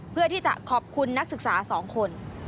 เพื่อที่จะขอบคุณนักศึกษา๒คน